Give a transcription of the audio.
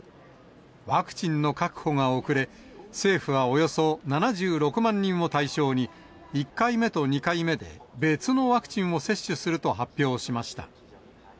ワクチンの確保が遅れ、政府はおよそ７６万人を対象に、１回目と２回目で別のワクチンを接種すると発表しました。